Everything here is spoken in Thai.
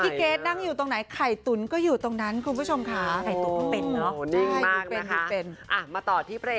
เกรทนั่งอยู่ตรงไหนไข่ตุ๋นก็อยู่ตรงนั้นคุณผู้ชมค่ะ